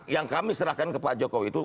yang kami serahkan ke pak jokowi itu